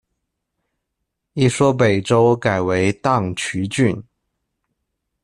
一说北周改为宕渠郡。